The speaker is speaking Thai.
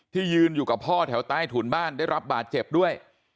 ยืนอยู่กับพ่อแถวใต้ถุนบ้านได้รับบาดเจ็บด้วย